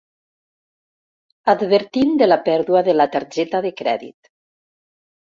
Advertint de la pèrdua de la targeta de crèdit.